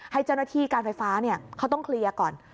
ให้เจ้าหน้าที่การไฟฟ้าเขาต้องเคลียร์ก่อน